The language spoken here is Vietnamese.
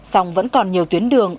xong vẫn còn nhiều tuyến đường